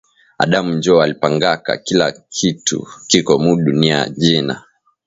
Adamu njo alipangaka kila kitu kiko mu dunia jina